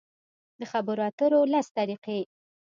د خبرو اترو لس طریقې: